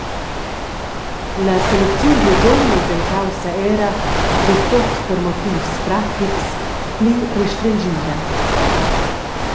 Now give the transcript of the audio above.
La selecziun dils umens en caussa era –surtut per motivs pratics –pli restrenschida.